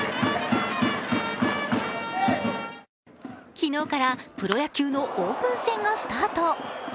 昨日からプロ野球のオープン戦がスタート。